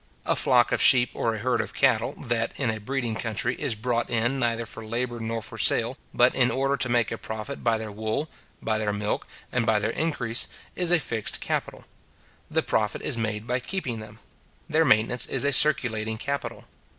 A flock of sheep or a herd of cattle, that, in a breeding country, is brought in neither for labour nor for sale, but in order to make a profit by their wool, by their milk, and by their increase, is a fixed capital. The profit is made by keeping them. Their maintenance is a circulating capital.